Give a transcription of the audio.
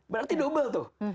berarti double tuh